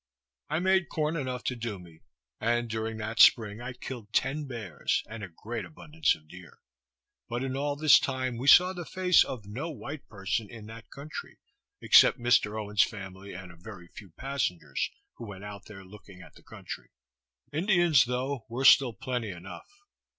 I made corn enough to do me, and during that spring I killed ten bears, and a great abundance of deer. But in all this time, we saw the face of no white person in that country, except Mr. Owens' family, and a very few passengers, who went out there, looking at the country. Indians, though, were still plenty enough.